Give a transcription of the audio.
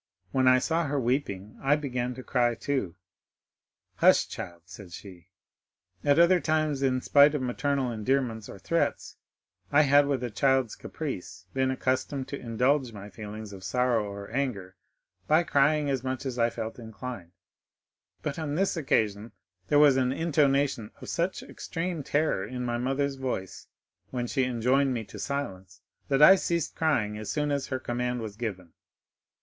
When I saw her weeping I began to cry too. 'Hush, child!' said she. At other times in spite of maternal endearments or threats, I had with a child's caprice been accustomed to indulge my feelings of sorrow or anger by crying as much as I felt inclined; but on this occasion there was an intonation of such extreme terror in my mother's voice when she enjoined me to silence, that I ceased crying as soon as her command was given.